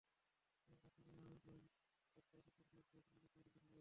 কোরআন পাঠ করেছেন, দান খয়রাত করেছেন, মগ্ন থেকেছেন বেশি বেশি ইবাদত-বন্দেগিতে।